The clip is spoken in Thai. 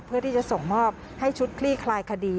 เพื่อที่จะส่งมอบให้ชุดคลี่คลายคดี